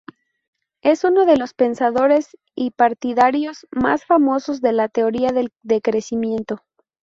Es uno de los pensadores y partidarios más famosos de la teoría del decrecimiento.